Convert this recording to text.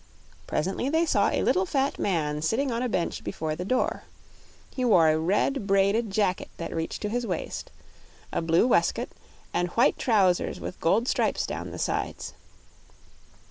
Presently, they saw a little fat man sitting on a bench before the door. He wore a red, braided jacket that reached to his waist, a blue waistcoat, and white trousers with gold stripes down the sides.